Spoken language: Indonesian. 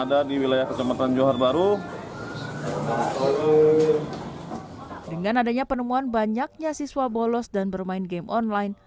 dengan adanya penemuan banyaknya siswa bolos dan bermain game online